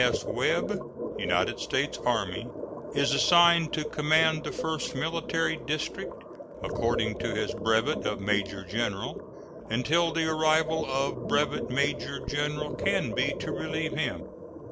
S. Webb, United States Army, is assigned to command the First Military District, according to his brevet of major general, until the arrival of Brevet Major General Canby to relieve him.